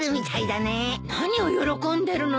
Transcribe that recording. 何を喜んでるのよ。